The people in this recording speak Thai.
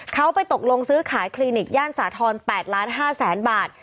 เขาไปตกลงซื้อขายคลินิกย่านสาธรณ์๘๕๐๐๐๐บาท